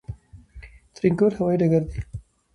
ترينکوټ هوايي ډګر دى